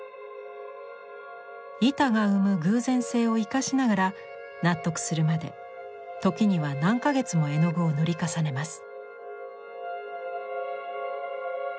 板が生む偶然性を生かしながら納得するまで時には何か月も絵の具を塗り重ねます。